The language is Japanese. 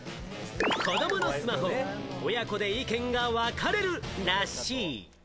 子供のスマホ、親子で意見が分かれるらしい。